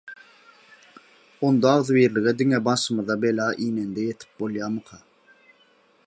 Onda agzybirlige diňe başymyza bela inende ýetip bolýarmyka?